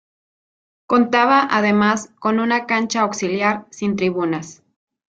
Contaba además con una cancha auxiliar sin tribunas.